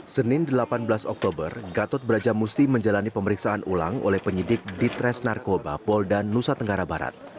senin delapan belas oktober gatot brajamusti menjalani pemeriksaan ulang oleh penyidik ditres narkoba polda nusa tenggara barat